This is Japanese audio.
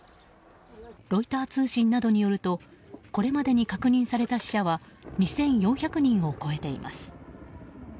ロイター通信などによるとこれまでに確認された死者は２４００人を超えています。